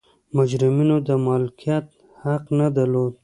مجرمینو د مالکیت حق نه درلود.